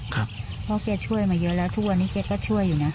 เพราะแกช่วยมาเยอะแล้วทุกวันนี้แกก็ช่วยอยู่นะ